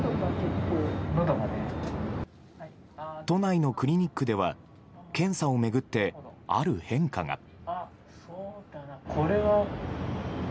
都内のクリニックでは検査を巡ってある変化が。